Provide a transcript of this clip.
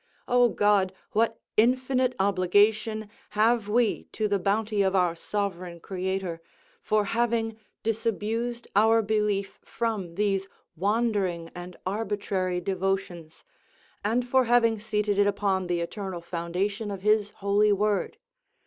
O God, what infinite obligation have we to the bounty of our sovereign Creator, for having disabused our belief from these wandering and arbitrary devotions, and for having seated it upon the eternal foundation of his holy word?